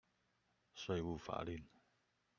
稅務法令